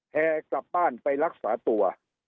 แห่กลับบ้านไปรักษาตัว